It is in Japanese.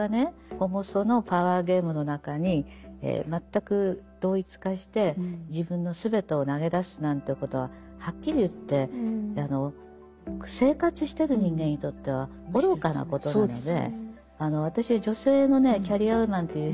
ホモソのパワーゲームの中に全く同一化して自分の全てを投げ出すなんていうことははっきりいって生活してる人間にとっては愚かなことなので私は女性のねキャリアウーマンという人でもね